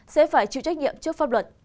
sẽ phải chịu trách nhiệm trước pháp luật